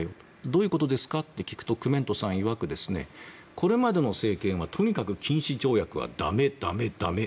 どういうことですかと聞くとクメントさんいわくこれまでの政権はとにかく禁止条約はだめ、だめ、だめ。